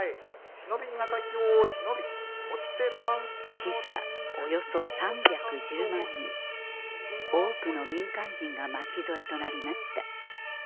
死者およそ３１０万人多くの民間人が巻き添えとなりました